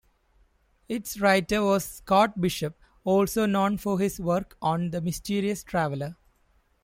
Its writer was Scott Bishop, also known for his work on "The Mysterious Traveler".